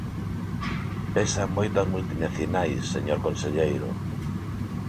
Pesan moito as multinacionais, señor conselleiro.